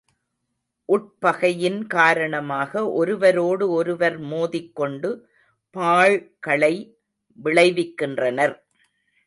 உட்பகையின் காரணமாக ஒருவரோடு ஒருவர் மோதிக் கொண்டு பாழ்களை விளைவிக்கின்றனர்.